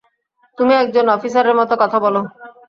তুমি একজন অফিসারের মত কথা বলো?